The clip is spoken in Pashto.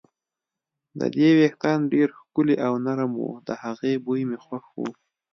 د دې وېښتان ډېر ښکلي او نرم وو، د هغې بوی مې خوښ و.